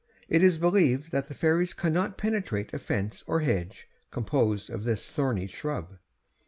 It is believed that the fairies cannot penetrate a fence or hedge composed of this thorny shrub.